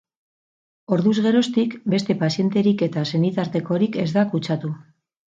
Orduz geroztik, beste pazienterik eta senitartekorik ez da kutsatu.